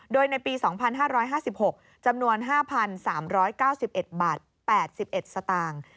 โดยในปี๒๕๕๖จำนวน๕๓๙๑บาท๘๑สตางค์